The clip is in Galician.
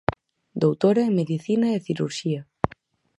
Doutora en Medicina e Cirurxía.